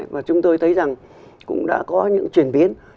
và chúng tôi thấy rằng cũng đã có những chuyển biến